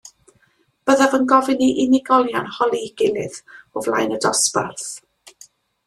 Byddaf yn gofyn i unigolion holi ei gilydd o flaen y dosbarth.